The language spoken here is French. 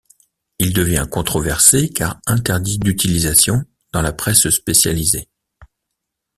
Il devient controversé car interdit d'utilisation dans la presse spécialisée.